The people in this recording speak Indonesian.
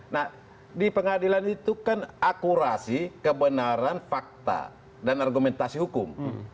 nah di pengadilan itu kan akurasi kebenaran fakta dan argumentasi hukum